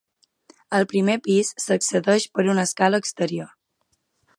Al primer pis s'accedeix per una escala exterior.